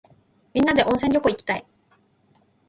みんなで温泉旅行いきたい。